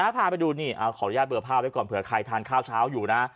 พาไปดูนี่ขออนุญาตเบอร์ภาพไว้ก่อนเผื่อใครทานข้าวเช้าอยู่นะ